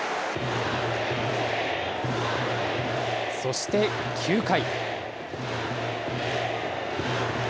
そして９回。